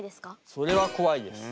それはこわいです。